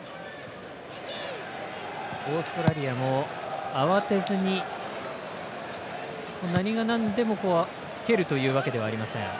オーストラリアも慌てずに何がなんでも、蹴るというわけではありません。